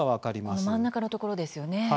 真ん中のところですよね。